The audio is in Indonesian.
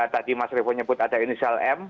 tadi mas revo nyebut ada inisial m